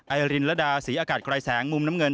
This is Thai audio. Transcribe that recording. ไอรินระดาศรีอากาศไกรแสงมุมน้ำเงิน